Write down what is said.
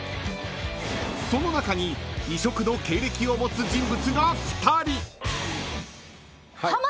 ［その中に異色の経歴を持つ人物が２人］